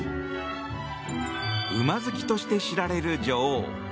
馬好きとして知られる女王。